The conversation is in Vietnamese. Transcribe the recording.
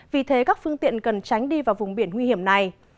vì thế các phương tiện cần tránh đi vào vùng biển nguy hiểm này